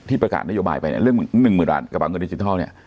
ที่ประกาศได้โยบายไปเนี่ยเรื่อง๑หมื่นลาทกับบางเงินดิจิทัลเนี่ย